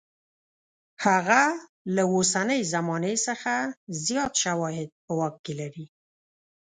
هغه له اوسنۍ زمانې څخه زیات شواهد په واک کې لري.